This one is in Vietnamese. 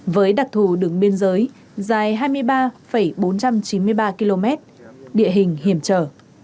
với đặc thù đường biên giới dài hai mươi ba bốn trăm chín mươi ba km địa hình hiểm trở